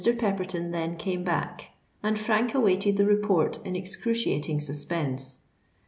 Pepperton then came back; and Frank awaited the report in excruciating suspense.